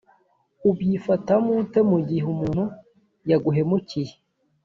ubyifatamo ute mu gihe umuntu yaguhemukiye‽